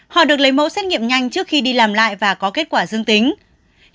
họ được lấy mẫu xét nghiệm nhanh trước khi đi làm lại và có kết quả dương tính